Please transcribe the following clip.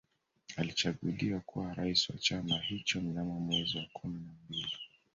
Alichaguliwa kuwa Rais wa chama hicho Mnamo mwezi wa kumi na mbili